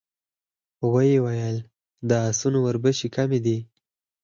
ويې ويل: د آسونو وربشې کمې دي.